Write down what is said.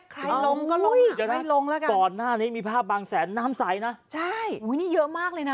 ลงก็ลงอีกจะได้ลงแล้วกันก่อนหน้านี้มีภาพบางแสนน้ำใสนะใช่อุ้ยนี่เยอะมากเลยนะ